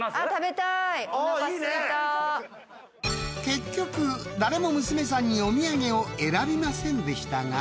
［結局誰も娘さんにお土産を選びませんでしたが］